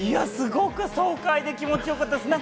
すごく爽快で気持ち良かったです。